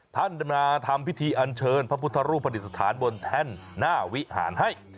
ท่านดำนาธรรมพิธีอัญเชิญพระพุทธรูปฏิสถานบนแท่นหน้าวิหารให้